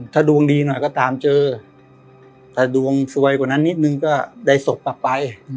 ถ้าดวงดีหน่อยก็ตามเจอถ้าดวงสวยกว่านั้นนิดนึงก็ได้ศพกลับไป